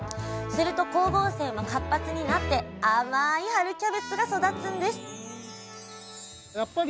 すると光合成も活発になって甘い春キャベツが育つんです